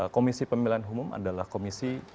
komisi pemilihan umum adalah komisi